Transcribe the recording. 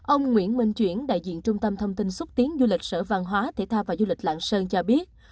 ông nguyễn minh chuyển đại diện trung tâm thông tin xúc tiến du lịch sở văn hóa thể thao và du lịch lạng sơn cho biết